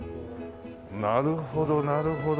なるほどなるほど。